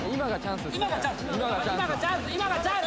今がチャンス？